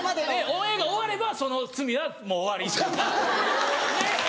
オンエアが終わればその罪はもう終わりというか。